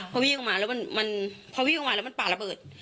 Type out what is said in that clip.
พอวิ่งออกมาแล้วมันพอวิ่งออกมาแล้วมันป่าระเบิด